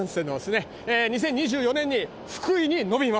２０２４年に福井に延びます！